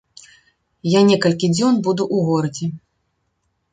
Я некалькі дзён буду ў горадзе.